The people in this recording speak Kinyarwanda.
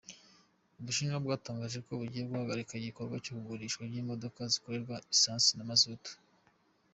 Ubushinwa bwatangaje ko bugiye guhagarika ikorwa n'igurishwa ry'imodoka zikoresha lisansi na mazutu.